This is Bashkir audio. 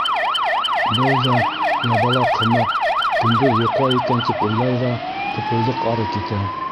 Был да, Ябалаҡ һымаҡ, көндөҙ йоҡлай икән, тип уйлай ҙа, Тупылдыҡ ары китә.